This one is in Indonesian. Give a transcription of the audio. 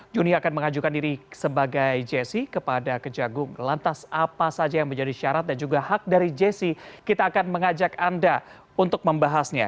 juni akan mengajukan diri sebagai jessi kepada kejagung lantas apa saja yang menjadi syarat dan juga hak dari jessi kita akan mengajak anda untuk membahasnya